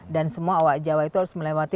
dan semua owa jawa itu harus melewati